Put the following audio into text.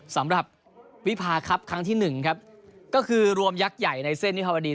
สำหรับวิพาครับครั้งที่หนึ่งครับก็คือรวมยักษ์ใหญ่ในเส้นวิภาวดี